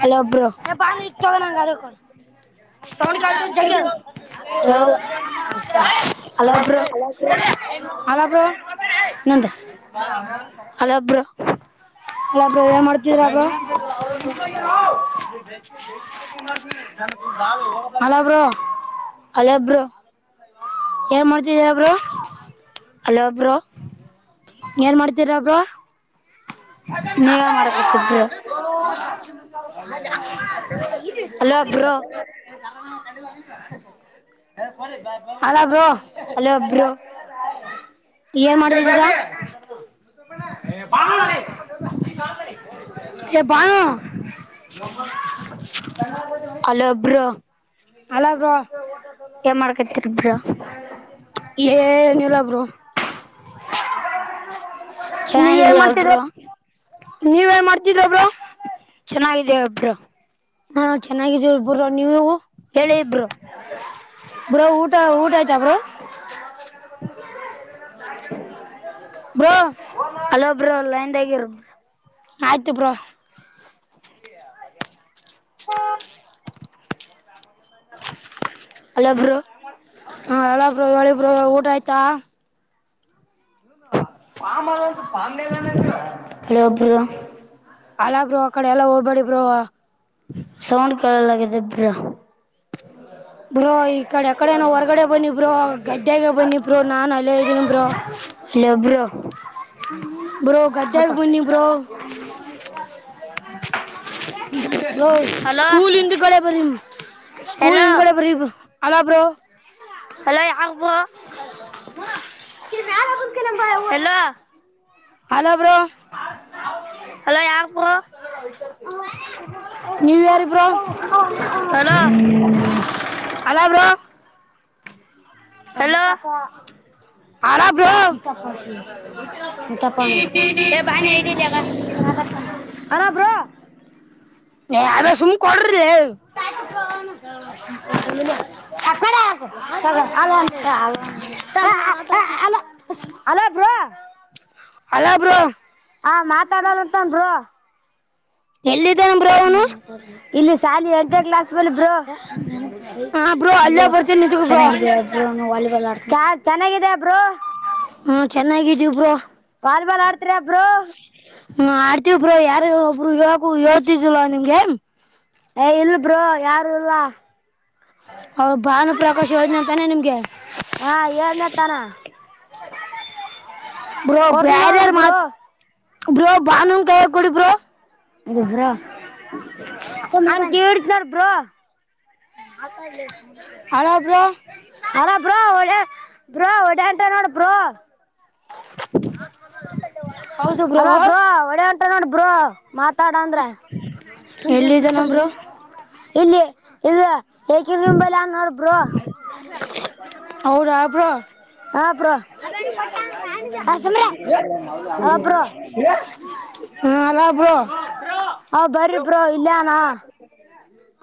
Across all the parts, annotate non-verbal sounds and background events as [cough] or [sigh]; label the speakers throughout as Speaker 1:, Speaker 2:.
Speaker 1: ಹಲೋೋಲೋೋ
Speaker 2: sound ಕೇಳ್ತದ ಜಗ್ಗಿ ಅದು hello bro ನಂದ ಹಲೋ ಬ್ರೋ
Speaker 1: ಇಲ್ಲಬ್ರು ಏನ್ ಮಾಡ್ತಿದರ ಅರು ಹಲೋ ಬ್ರೋ [unintelligible]
Speaker 2: ಹಲೋ ಬ್ರೋ
Speaker 1: ಯಾರ ಮ
Speaker 2: [inaudible] ಹಲೋ ಬ್ರೋ
Speaker 1: ಏನ್ ಮಾಡ್ತೀರಬ್ರ
Speaker 2: ನೀವೇ ಮಾಡಕತಿದರು
Speaker 1: ಹ
Speaker 2: hello bro
Speaker 1: [inaudible] hello bro
Speaker 2: hello bro
Speaker 1: ಏನ್ ಮಾಡಿದಿದ್ದೀರಾ Banu
Speaker 2: [inaudible] hello bro
Speaker 1: hello bro
Speaker 2: ಏ ಮಾಡ್ಕೈತಿರಿಬ್ರಾ
Speaker 1: ಏನಲ್ಲಬ್ರು ನೀವ ನ್
Speaker 2: ಚೆನ್ನಾಗಿದೀಯ
Speaker 1: ಮಾಡ್ತಿದರ
Speaker 2: ಬ್ರೋ
Speaker 1: ನೀವೇನ್ ಮಾಡುತ್ತೀರಾ ಬ್ರೋ
Speaker 2: ಅ ಇದೆ ಬ್ರೋ
Speaker 1: ಹಾ ಚೆನ್ನಾಗಿದೀ ಬ್ರೋ ನೀವು
Speaker 2: ಹೇಳಿ ಬ್ರೋ
Speaker 1: ಬ್ರೋ ಊಟ ಊಟ ಆತ ಬ್ರೋ ಬ್ರೋ
Speaker 2: [unintelligible] ಹಲೋ ಬ್ರೋ ಲೈಂದಗಿರು
Speaker 1: ಆಯ್ತು ಬ್ರೋ
Speaker 2: [inaudible]
Speaker 1: [unintelligible]
Speaker 2: ಹಲೋ ಬ್ರೋ
Speaker 1: ಹ ಹಲೋ ಬ್ರೋ ಹೇಳಿ ಬ್ರೋ ಊಟ ಆಯ್ತಾ.
Speaker 2: ಆಮಲೆ [unintelligible] ಕೆಲೊಬ್ಬ್ರ
Speaker 1: ಅಲ್ಲ ಬ್ರೋ ಅಕಡೆ ಎಲ್ಲ ಹೋಗ್ ಬಡಿ ಬ್ರೋ.
Speaker 2: ಕೇಳಲಾಗ್ಯದ ಬ್ರೋ.
Speaker 1: ಬ್ರೋಯಿ. ಈ ಕಡೆ ಯಕಡೆನ ಹೊರ್ಗಡೆ ಬನ್ನಿ ಬ್ರೋ ಗದ್ದೆಗೆ ಬನ್ನಿ ಬ್ರೋ ನಾನು ಅಲ್ಲೇ ಇದ್ದೀನಿ ಬ್ರೋ.
Speaker 2: ಇಲ್ಲ ಬ್ರೋ.
Speaker 1: ಬ್ರೋ ಗಡ್ಡಾಗೆ ಬನ್ನಿ ಬ್ರೋ.
Speaker 2: [unintelligible] [inaudible]
Speaker 1: ಬ್ರೋ
Speaker 2: ಹಲೋ
Speaker 1: ಸ್ಕೂಲ್ ಹಿಂದ್ ಗಡೆ ಬರಿ ಸ್ಕೂಲ್
Speaker 2: ಹಲೋ
Speaker 1: ಹಿಂದಗಡೆ ಬರಿ ಬ್ರೋ. ಬ್ರೋ.
Speaker 2: ಹಲೋ ಯಾರ್ ಬ್ರೋ. ಯಾರ ಕುಕ ನ [inaudible] ಹಲೋ.
Speaker 1: ಹಲೋ.
Speaker 2: ಹಲೋ ಯಾಕ್ bro.
Speaker 1: New year bro
Speaker 2: hello
Speaker 1: hello bro.
Speaker 2: Hello.
Speaker 1: ಅಲ್ಲ ಬ್ರೋ
Speaker 2: ಈ ಕಪ್ಪಾಸ [inaudible] [unintelligible] [inaudible] ತ್ತ ಪ ರ ಬ ಡಗ [inaudible] ಹಲೋ ಬ್ರೋ.
Speaker 1: ಅ ಸುಮ್ ಕೊಡ್ರ. ತ್ತ [inaudible]
Speaker 2: ಹಲೋ ಬ್ರೋ.
Speaker 1: Hello bro.
Speaker 2: ಹ ಮಾತಾಡ್ಲತನ್ ಅಂತ ಬ್ರೋ.
Speaker 1: ಎಲ್ಲಿ.
Speaker 2: ಇಲ್ಲಿ ಶಾಲಿ ಎಂಟ ನೆ ಕ್ಲಾಸ್ ಬ್ರೋ
Speaker 1: ಹಾ ಬ್ರೋ ಅಲ್ಲೇ ಬರ್ತೀನಿ ನಿಂತ್ಕೋ ಬ್ರೋ
Speaker 2: ಚೆನ್ನಾಗಿ ಇದೀಯಾ. ಚೆನ್ನಾಗಿದೆಯಾ ಬ್ರೋ.
Speaker 1: ಹಾ ಚೆನ್ನಾಗಿದ್ದೇವಿ ಬ್ರೋ.
Speaker 2: ವಾಲಿಬಾಲ್ ಆಡತಿರ ಬ್ರೋ.
Speaker 1: ಹ್ಮ ಆಡ್ತೀವಿ ಬ್ರೋ ಯಾರ ಒಬ್ಬರು ಇಕು ಇ [inaudible] ಜುಲ ನಿಗೆ ಎ್ [unintelligible]
Speaker 2: ಏನ್ ಇಲ್ಲ ಬ್ರೋ ಯಾರು ಇಲ್ಲ.
Speaker 1: ಹ ಭಾನುಪ್ರಕಾಶ್ ಯೋಜನೆ ತಾನೆ ನಿಮ್ಗೆ.
Speaker 2: ಹಾ ಏನ [unintelligible]
Speaker 1: ಬ್ರೋ
Speaker 2: ಕೊಡ್ತ
Speaker 1: ಬ್ಯಾರೆ
Speaker 2: ನೋಡ್ ಬ್ರೋ
Speaker 1: ಮತ್. ಬ್ರೋ ಬಾನು ಕೈ ಯಾಗ ಕೊಡಿ ಬ್ರೋ
Speaker 2: ಅದು ಬ್ರೋ ಅಂಗೆ ಇಡ್ತೀನಿ ಬ್ರೋ. [unintelligible]
Speaker 1: Hello bro.
Speaker 2: ಅರ ಬ್ರೋ ಒಡ ಬ್ರೋ ಓಡಿ ಹೊಂಟನ್ ನೋಡ ಬ್ರೋ. ಅಲಾ ಬ್ರೋ ಓಡ್ [unintelligible] ಮಾತಾಡ ಅಂದ್ರೆ.
Speaker 1: ಎಲ್ಲಿದ್ದಾನ ಬ್ರೋ
Speaker 2: ಇಲ್ಲಿ ಇದು ಏಕ ನಿಂಬಲ್ಆನ ನೋಡ ಬ್ರೋ.
Speaker 1: ಹೌದಾ ಬ್ರೋ
Speaker 2: ಹ ಬ್ರೋ. ಆ ಸುಮ್ರೆ
Speaker 1: [inaudible]
Speaker 2: ಅಲ
Speaker 1: ಹ್ಹ್ ಹಲೋ.
Speaker 2: ಹಾ ಬರ್ರಿ ಬ್ರೋ ಇಲ್ಲೇ ಆನಾ.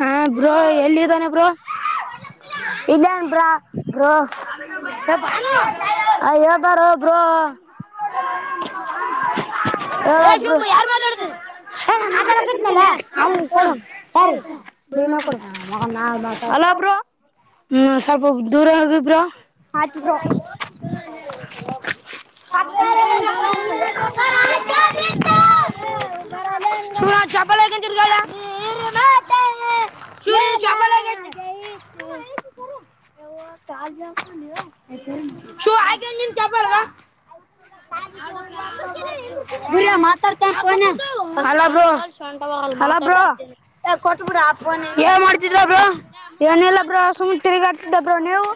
Speaker 1: ಹಾ ಬ್ರೋ ಎಲ್ಲಿದ್ದಾನೆ ಬ್ರೋ.
Speaker 2: ಇಲ್ಲನ್ ಬ್ರಾ ಬ್ರೋ.
Speaker 1: ಏ ಭಾನು ಏ ಶಿವಮ್ಮ ಯಾರ್ ಮಾತಾಡ್ತಿದ್ ಅವ್ನು ಕೊಡು ಭೀಮಾ ಕೊಡು
Speaker 2: [unintelligible] [unintelligible] [unintelligible]
Speaker 1: ಹ್ಮ್ ಸ್ವಲ್ಪ ದೂರ ಹೋಗಿ ಬ್ರೋ. [unintelligible]
Speaker 2: ಆಯ್ತು ಬ್ರೋ
Speaker 1: [unintelligible] ಬಿರಿಯ ಮಾತಾಡ್ತೀನ್ ಫೋನ್ ನ್ಯಾಗ ಹಲೋ ಬ್ರೋ.
Speaker 2: ಹಲೋ ಬ್ರೋ
Speaker 1: [unintelligible] ಕೊಟ್ಬಿಡ ಆ ಫೋನ್ ಅವ್ರಿಗೆ ಏನ್ ಮಾಡ್ತಿದ್ರಿ ಬ್ರೋ.
Speaker 2: ಏನಿಲ್ಲ ಬ್ರೋ ಸುಮ ತಿರಿಗಾಡ್ತಿದ್ದೆ ಬ್ರೋ ನೀವು.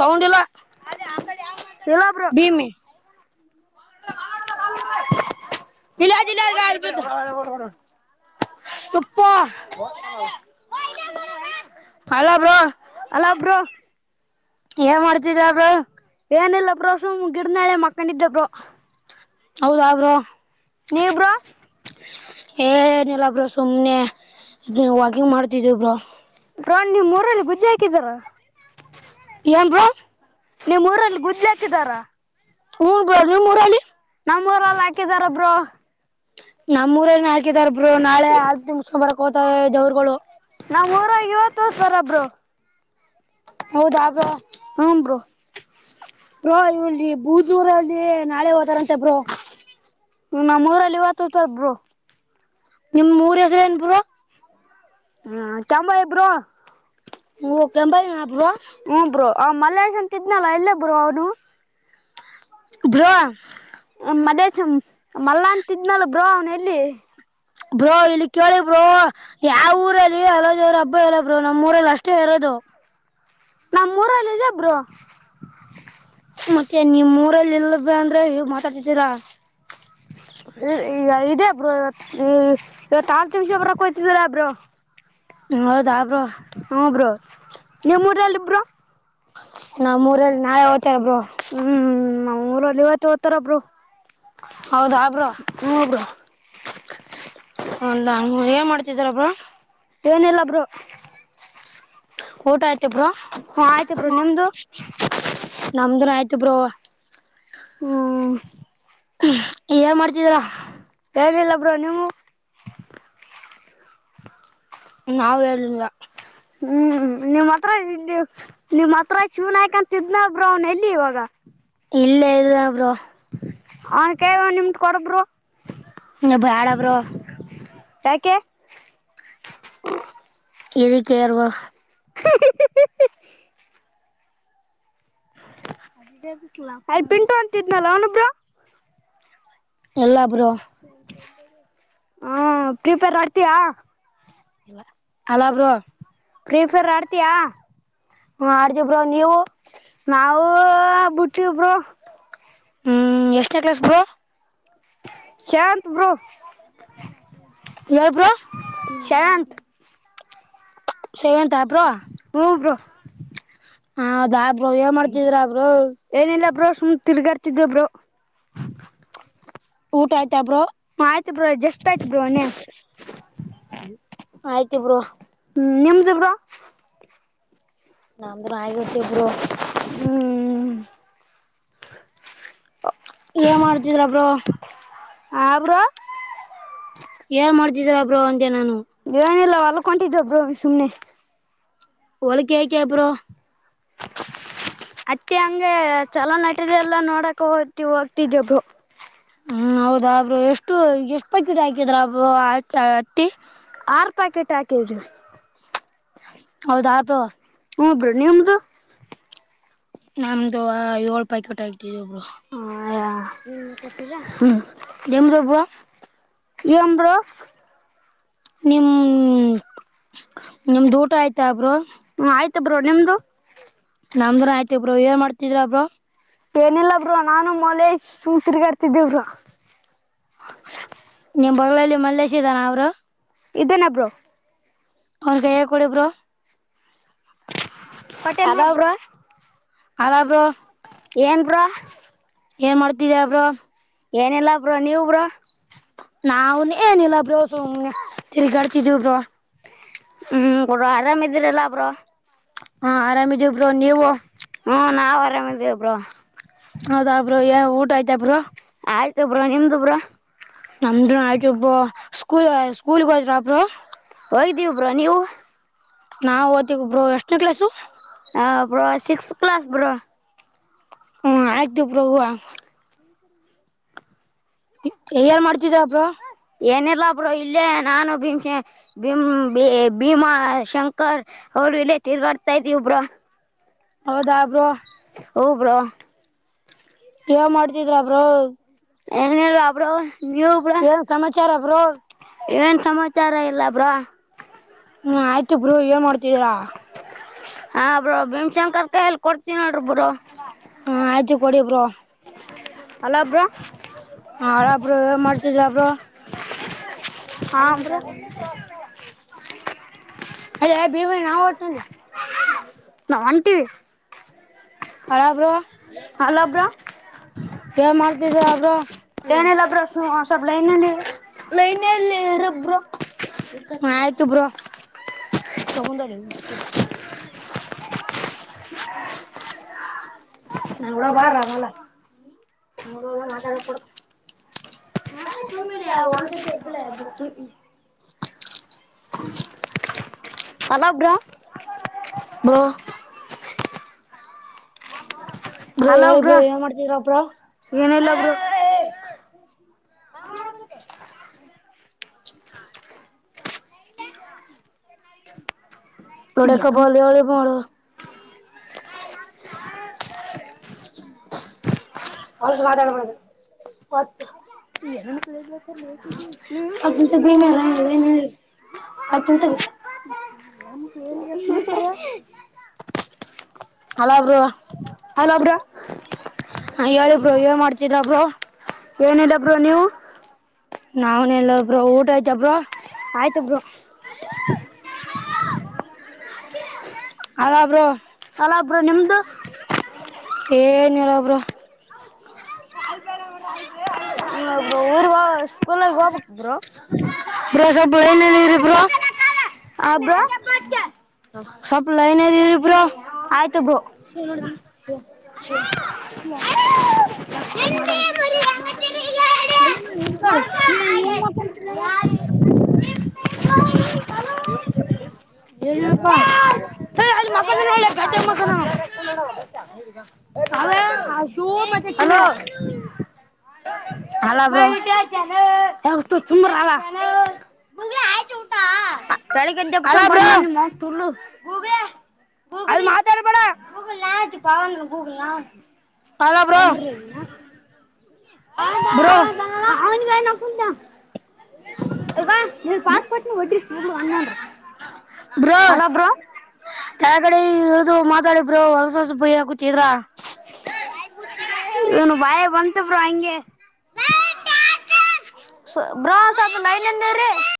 Speaker 1: ಸೌಂಡ್ ಇಲ್ಲ.
Speaker 2: ಹೇಳೊ ಬ್ರೋ.
Speaker 1: ಭೀಮಿ [unintelligible] [unintelligible]
Speaker 2: ಅಲಾ ಬ್ರೋ
Speaker 1: ಏ ಮಾಡ್ತ ಇದ್ಯಾ ಬ್ರೋ
Speaker 2: ಏನಿಲ್ಲ ಬೋ ಸುಮ್ ಗಿಡನಾಳೆ ಮಕ್ಕೊಂಡ ಇದಿದ್ದ ಬೋ
Speaker 1: ಹೌದ ಬ್ರೋ
Speaker 2: ನೀ ಬ್ರೋ
Speaker 1: ಏ ಏನಿಲ್ಲ ಬ್ರ ಸುಮ್ನೆ ವಾಕಿಂಗ್ ಮಾಡ್ತಿದೇವ ಬ್ರ
Speaker 2: ಬ್ರೋ ನೀವ್ ಮೂರಲ್ಲಿ ಗುಜರಿ ಹಾಕಿದ್ದರ
Speaker 1: ಏನ್ ಬ್ರೋ
Speaker 2: ನಿಮ್ಮ್ ಊರಲ್ಲಿ ಗುಜ್ಜೆ ಹಾಕಿದಾರಾ
Speaker 1: ಹನ್ ಬ್ರೋ ನಿಮ್ ಊರಲ್ಲಿ
Speaker 2: ನಮ್ಮ್ವರಲ್ಲ ಹಾಕಿದಾರೊಬ್ರು
Speaker 1: ನಮ್ಮೂರ ಹಾಕಿದಾರಬ್ರು ನಳೆ ಸೋಮಾರ [inaudible]
Speaker 2: ನಮ್ಮ್ರು ಇವತ್ತು ಸರೊಬ್ರು
Speaker 1: ಹೌದ
Speaker 2: ಹಮ ಬ್ರೊ
Speaker 1: ಬ್ರೋ ಇವಲ್ಲಿ ಬೂದೂರಲ್ಲಿ ನಾಳೆ ಹೋದಾರಂತೆ ಬ್ರೋ
Speaker 2: ಇ ನಮ್ಮೂಊರಲ್ಲಿ ಇವತ್ತು ತರ್ಬರು
Speaker 1: ನಿಮ್ ಊರ್ ಹೆಸ್ರ ಏನ್ ಬ್ರೋ
Speaker 2: ಹಾ ಚಮ್ಮ ಹೆಬ್ರೋ
Speaker 1: [inaudible] ಬ್ರೋ
Speaker 2: ಹ್ಮ ಬ್ರೋ ಆ ಮಲ್ಲೇಶ್ ಅಂತ ಇದ್ನಲ್ಲ ಎಲ್ಲಿ ಬ್ರೋ ಅವನು
Speaker 1: ಬ್ರೋ
Speaker 2: ಮದೇಶ ಮಲ್ಲ ಅಂತಿದ್ನಲ್ ಬ್ರೋ ಅವನ ಎಲ್ಲಿ
Speaker 1: ಬ್ರೋ ಇಲ್ಲಿ ಕೇಳಿ ಬ್ರೋ ಯಾವ ಊರಲ್ಲಿ ಹಲೋ ಜವರ ಹಬ್ಬ ಇಲ್ಲ ಬ್ರೋ ನಮ್ಮ್ ಊರಲ್ಲಿ ಅಷ್ಟೇ ಇರೋದು
Speaker 2: ನಮ್ಮ್ಊರಲ್ಲಿದೆ ಒಬ್ರು
Speaker 1: ಮತ್ತೆ ನಿಮ್ ಊರಲ್ಲಿ ಎಲ್ಲ ಅಂದ್ರೆ ಹ ಮಾತಾಡ್ತಿದ್ದೀರಾ
Speaker 2: ಈಗ ಇದೇ ಬ್ರೋ [inaudible] [inaudible]
Speaker 1: ಹೌದ ಬ್ರೋ
Speaker 2: ಹ್ಮ್ ಬ್ರೋ ನಿಮ್ಮೂರಲ್ಲಿ ಬ್ರೋ
Speaker 1: ನಮ್ಮೂರಲ್ಲಿ ನಾ ಯಾವತ್ತು ತ್ತಬ್ರೋ
Speaker 2: ನಮ್ಮೂರಲ್ಲಿ ಇವತ್ತುವತ್ತರ ಒಬ್ರು
Speaker 1: ಹೌದಾ ಆ ಬ್ರೋ
Speaker 2: [inaudible]
Speaker 1: ಹಲ್ಲ ಏನ್ ಮಾಡ್ತಿದಿರಾ ಬ್ರೋ
Speaker 2: ವನೆಲ್ಲಬ್ರು
Speaker 1: ಊಟ ಆಯತ ಬ್ರೋ
Speaker 2: ಹ್ಮ ಆಯ್ತ ಬ್ರೋ ನಿಮ್ದು
Speaker 1: ನಮ್ದನ್ ಆಯ್ತು ಬ್ರೋ
Speaker 2: ಹ್ಮ
Speaker 1: ಏನ್ ಮಾಡ್ತಿದೀರ
Speaker 2: ಏನಿಲ್ಲ ಬ್ರೋ
Speaker 1: ನಾವೇಲ್ಲ
Speaker 2: ಹ್ಮ್ ನಿಮ್ಮ್ ಹತ್ರ ನಿಮ್ಮ್ ಹತ್ರ
Speaker 1: ಇಲ್ಲೆ ಇಲ್ಲ ಬ್ರೊ
Speaker 2: ಅವನ್ ಕೇಳ್ ಒಂದ್ನಿಟ್ ಕೊಡ್ ಬ್ರೊ
Speaker 1: ನಾ ಬ್ಯಾಡ ಬ್ರೋ
Speaker 2: ಕೆ
Speaker 1: ಎದಕ್ಕೆರ್ವಾ [inaudible]
Speaker 2: ಅಯ್ ಪಿಂಟು ಅಂತಿದ್ನಲ್ಲ ಅವನು ಬ್ರೊ
Speaker 1: ಯಲ್ಲಾ ಬ್ರೊ
Speaker 2: ಹಾ ಪ್ರಿಪಿರೆ ಆಡ್ತೀಯ
Speaker 1: ಇಲ್ಲ ಅಲ ಬ್ರೋ
Speaker 2: ಪ್ರೀಫರ್ ಆಡ್ತೀಯಾ
Speaker 1: ಹ್ಮ ಆಡ್ತೀವಿ ಬ್ರೊ ನೀವು
Speaker 2: ನಾವು ಬುಟ್ಟಿ ಬ್ರೊ
Speaker 1: ಹ್ಮ್ ಎಷ್ಟೇನೆ ಕ್ಲಾಸ್ ಬ್ರೊ
Speaker 2: ಶಾಂತ್ ಬ್ರೋ
Speaker 1: ಯಾಳ್ ಬ್ರೋ
Speaker 2: ಶಾಂತ್
Speaker 1: ಸೇವೆಂತಾ ಬ್ರೋ
Speaker 2: ಹುಂ ಬ್ರೋ
Speaker 1: ಹದಾ ಬ್ರೋ ಏ ಮಾಡ್ತಿದ್ರ ಬ್ರೋ
Speaker 2: ಏನಿಲ್ಲ ಬ್ರೋ ಸುಮ್ ತಿರ್ಗಾಡ್ತಿದ್ದೆ ಬ್ರೊ
Speaker 1: ಊಟ ಆಯ್ತ್
Speaker 2: ಹಾಂ ಆಯ್ತು ಬ್ರೊ ಜಷ್ಟ ಆಯ್ತ್ ಬ್ರೋವನೇ
Speaker 1: ಆಯ್ತು ಬ್ರೋ
Speaker 2: ನಿಮ್ದಿ ಬ್ರೋ
Speaker 1: ನಮ್ದು ಆಗಾಯಿತು ಬ್ರೋ
Speaker 2: ಹ್ಮ್
Speaker 1: ಇಲ್ಲಾ ಮಾಡ್ತಿದಾ ಬ್ರೋ
Speaker 2: ಆ ಬ್ರೋ
Speaker 1: ಏನ್ ಮಾಡ್ತಿದೀರ ಬ್ರೋ ಅಂದೆ ನಾನು
Speaker 2: ಏನ್ ಇಲ್ಲ ಹೊಲ್ಕೊಟಿದ್ದೊಬ್ರು ಸುಮ್ಮನೆ
Speaker 1: ಹೋಲ್ ಯಾಕೆ ಬ್ರೋ
Speaker 2: ಅತ್ತೆ ಹಂಗೆ ಚಲ ನಟದೆಲ್ಲ ನೋಡಕ ಹೋಗ್ತಿ ಹೋಗ್ತಿದ್ದೊ ಬ್ರೋ
Speaker 1: ಹ್ಮ್ ಹೌದಾಬ್ರು ಎಷ್ಟು ಎಷ್ಟ್ ಪ್ಯಾಕೆಟ್ ಹಾಕಿದ್ರ ಬ್ರೋ ಹತ್ತಿ
Speaker 2: ಆರ್ ಪ್ಯಾಕೆಟ್ ಹಾಕಿದರು
Speaker 1: ಹೌದ [unintelligible]
Speaker 2: ಹುಂ ಬ್ರೋ ನಿಮ್ದು
Speaker 1: ನಮ್ದು ಆ ಏಳ್ ಪ್ಯಾಕೆಟ್ ಅಕಿದೀವಿ ಬ್ರೋ
Speaker 2: ಹಾ ಹಾಂ
Speaker 1: ನಿಮ್ದು ಬ್ರೋ
Speaker 2: ಏನ್ ಬ್ರೋ
Speaker 1: ನಿಮ್ ನಿಮ್ದ ಊಟ ಆಯ್ತ ಬ್ರೋ
Speaker 2: ಹ್ಮ ಆಯ್ತ ಬ್ರೋ ನಿಮ್ದು
Speaker 1: ನಮ್ದನ್ ಆಯ್ತಿ ಬ್ರೋ ಏನ್ ಮಾಡ್ತಿದ್ರ ಬ್ರೋ
Speaker 2: ಏನಿಲ್ಲ ಬಬ್ರೋ ನಾನು ಮೊಲೇಶ್ ಸುಮ್ ತೀರ್ಗಡ್ತೀದ್ವಿ ಬ್ರೋ
Speaker 1: ಬಗಲಲ್ಲಿ ಮಲ್ಲೇಶ್ ಇದ್ದಾನ ಬ್ರೋ
Speaker 2: ಇದ್ದೇನ ಬ್ರೋ
Speaker 1: ಅವ್ರಗೈಯ ಕೊಡಿ ಬ್ರೋ
Speaker 2: ಕೊಟ್ಟೆ ಅದಾವ ಬ್ರೋ
Speaker 1: ಆದ ಬ್ರೋ
Speaker 2: ಏನ್ ಬ್ರೋ
Speaker 1: ಏನ್ ಮಾಡ್ತಿದ ಅವ್ರ
Speaker 2: ಏನಲ್ಲಾ ಬ್ರ ನೀವ ಬ್ರ
Speaker 1: ನಾ್ನ್ ಏನಿಲ್ಲ ಬೋ ತಿರ್ಗ್ಗಾಡ್ತಿದಬ್್ರ
Speaker 2: ಹ್ಮ್ ಕೊಡ ಆರಾಮ್ ಇದ್ದೀರಲ್ಲ ಒಬ್ರು
Speaker 1: ಹಾ ಆರಾಮಿದಿಬ್ರು ನೀವು
Speaker 2: ಹ್ಮ ನಾ ವರ್ದ ಅಪರೋ
Speaker 1: ಹೌದಬ್್ರ ಊಟ ಆಯ್ತಬ್ರು
Speaker 2: ಆಯ್ತು ಬ್ರ ನಿಮ್ದು ಬ್ರ
Speaker 1: ನಮಡ ಆಯತು ಅ ಸ್ಕೂಲ್ ಸ್ಕೂಲ್ರ ಅಪ
Speaker 2: ಹೋಗಿದ್ದೀವಿ ಬ್ರೋ ನೀವು
Speaker 1: ನಾವವು ಓತಗೊಬರು ಎಷ್ಟು ಕೆ್ಲಸು
Speaker 2: ಹ ಬ್ರೋ ಸಿಕ್ಸ್ತ್ ಕ್ಲಾಸ್ ಬರೋ
Speaker 1: ಹ್ಮ ಆಯ್ತು ಪ್ರಭು ಯಾರ್ ಮಾಡ್ತಿದಬ್ರ
Speaker 2: ಏನಿಲ್ಲಬ್್ರ ಇಲ್ಲೇ ನಾನು ಭೀಮ ಭೀಮ ಭೀಮಾ ಶಂಕರ್ ಅವರು ಇಲ್ಲ ತಿರುಗಾಡ್ತಾ ಇದ್ದಿವ ಒಬ್್ರ
Speaker 1: ಹೌದಾ ಬರುೋ
Speaker 2: ಹ ಬ್ರೋ
Speaker 1: ಯವ ಮಾಡ್ತಿದ್ರ ಬ್ರೋ
Speaker 2: ಎಏ ಬಬರ
Speaker 1: ಏನ್ ಸಮಾಚಾರ ಬೋ
Speaker 2: ಏನ್ ಸಮಾಚಾರ ಇಲ್ಲ ಬ್ರಾ
Speaker 1: ಹ್ಮ್ ಆಯ್ತುಬ್್ರರು ಏನ್ ಮಾಡ್ತಿದೀರಾ
Speaker 2: ಹಾ ಬ್ರೋ ಭೀಮಶಂಕರ್ ಕಾಯಲ್ಲಿ ಕೊಡ್ತೀನ ನೋಡ್ರಿ ಬ್ರೋ
Speaker 1: ಹಾ ಆಯ್ಜು ಕೊಡಿಬ್ರೋ
Speaker 2: ಅಲ್ಲ ಬ್ರ
Speaker 1: ಹಾ ಅಪರ ಮರಿಚಿದ ಅರ
Speaker 2: ಹಾ ಅಂದ್ರೆ
Speaker 1: ಅ ಯ ಭೀವ ನಾವು ್ತ
Speaker 2: ನನ್ ಹಟ್ಟವಿ
Speaker 1: ಹರಬ್ರ
Speaker 2: ಬ್ರೋ
Speaker 1: ಏನ್ ಮಾಡ್ತಿದಬ್್ರ
Speaker 2: ಏನಲ್ಲಬ್ರ ಸ್ವಲ್ ಲೈನಲ್ಲಿ ಲೈನ್ಲ್ಲಿರೊಬ್ಬರು
Speaker 1: ಹ್ಮ ಆಯ್ತು ಬ್ರೋ ತಗ ನಳ ಬಾರ್ರ ನಲ್ಲ ಹ ಮಾತಡ ಕೊಡ
Speaker 2: ಸುಮ್ಮಿರಿ
Speaker 1: ಹ
Speaker 2: ಹಲೋ ಬ್ರೋ
Speaker 1: ಅ
Speaker 2: ಹಲೋ
Speaker 1: ಗಹವಳಿ ಬ
Speaker 2: ಬ್ರೋ
Speaker 1: ಮಾಡ್ತೀರ ಅಪರ
Speaker 2: ಏನಿಲ್ಲ ಬ್ರೋ
Speaker 1: ಹ ತೋಡೆಕ ಬ ಒಳ ಪಳ [unintelligible] ಅವ ಮಾತಾಡ್ಬಾಡ್ದು ಮತ್ತ
Speaker 2: [inaudible]
Speaker 1: ಸ್ವಲ್ಪ ಹಿಂತಗೀ ಹಲೋ ಬ್ರೋ
Speaker 2: ಹಲೋ ಬ್ರೋ
Speaker 1: ಹಾ ಹೇಳಿ ಬ್ರೋ ಏನ್ ಮಾಡ್ತಿದಿರ ಬ್ರೊ
Speaker 2: ಏನಿಲ್ಲಾ ಬ್ರೋ ನೀವು
Speaker 1: ನಾವನಲ್ಲ ಬ್ರೋ ಊಟ ಆಯ್ತ ಬ್ರೋ
Speaker 2: ಆಯ್ತು bro
Speaker 1: [inaudible] [inaudible] hello bro
Speaker 2: hello bro ನಿಮ್ದು
Speaker 1: ಏನಿಲ್ಲ ಬ್ರೋ
Speaker 2: ಬ್ರೋ ಊರಿಗ ಸ್ಕೂಲೀಗ ಹೋಗ್ಬೇಕ್ ಬ್ರೋ
Speaker 1: ಬ್ರೋ ಸ್ವಲ್ಪ ಏನೇಳೀರಿ ಬ್ರೋ
Speaker 2: ಆ ಬ್ರೋ
Speaker 1: ಸಪ್ ಲೈನಲಿರಿ ಬ್ರೋ
Speaker 2: ಆಯ್ತು ಬ್ರೋ.
Speaker 1: [unintelligible] [unintelligible] ಏನ್ ಹೇಳ್ಪ ಎ ಅಲ್ಲೇ ಮಕ್ಕೊಂಡಾನ ನೋಡ್ಲೆ ಗದ್ಯಾಗ ಮಕ್ಕಂಡಾನ ಶಿವು ಮತ್ತೆ ಶಿವ್ಯ,
Speaker 2: ಹಲೋ
Speaker 1: ಹಲೋ ಬ್ರೋ.
Speaker 2: [unintelligible] [unintelligible] [unintelligible]
Speaker 1: ಅಲ್ಲ
Speaker 2: ಗೂಬ್ಯಾ
Speaker 1: ಬ್ರೋ ಅಲ್ಲಿ
Speaker 2: ಗೂಗ್ಲೀ
Speaker 1: ಮಾತಾಡ್ಬೇಡ
Speaker 2: ಗೂಗಲ್ ನಾತು ಪಾವಂದ ಹೋಗಲಾ
Speaker 1: ಅಲ್ಲ
Speaker 2: ಹಾಳ
Speaker 1: ಬ್ರೋ
Speaker 2: ಮಾರಿನ [unintelligible] [unintelligible]
Speaker 1: ಬ್ರೋ
Speaker 2: ಹಲೋ ಬ್ರೋ
Speaker 1: ಕೆಳಗಡೆ ಇಳಿದು ಮಾತಾಡಿ ಬ್ರೋ ಹೊಲಸ ಹೊಲಸ ಬಯ್ಯಕುತ್ತಿದ್ರಾ
Speaker 2: ಇವನು ಬಾಯಾಗ ಬಂತು ಬ್ರೋ ಹಂಗೆ
Speaker 1: [inaudible]
Speaker 2: ಬ್ರೋ ಸ್ವಲ್ಪ ಲೈನ್ನಲ್ಲಿ ರೀ